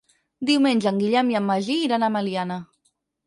Diumenge en Guillem i en Magí iran a Meliana.